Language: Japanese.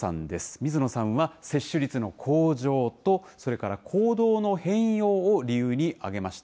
水野さんは、接種率の向上と、それから行動の変容を理由に挙げました。